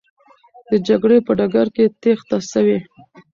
د جګړې په ډګر کې تېښته سوې.